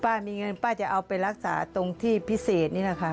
มีเงินป้าจะเอาไปรักษาตรงที่พิเศษนี่แหละค่ะ